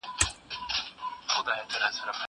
زه پرون پوښتنه وکړه.